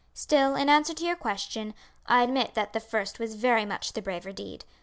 Still, in answer to your question, I admit that the first was very much the braver deed.